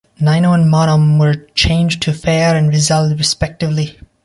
Nino and Mauanan were changed to Faire and Rizal respectively.